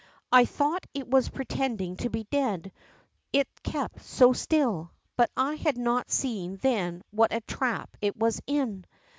I thought it was pretending to he dead, it kept so still, hut I had not seen then what a trap it was in.